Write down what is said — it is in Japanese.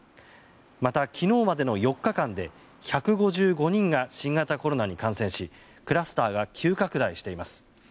また、昨日までの４日間で１５５人が新型コロナに感染しクラスターが急拡大しています。